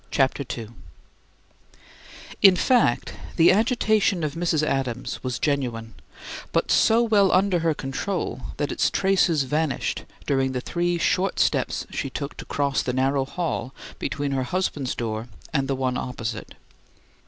CHAPTER II In fact, the agitation of Mrs. Adams was genuine, but so well under her control that its traces vanished during the three short steps she took to cross the narrow hall between her husband's door and the one opposite.